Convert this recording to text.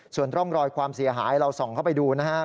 ส่วนร่องรอยความเสียหายเราส่องเข้าไปดูนะครับ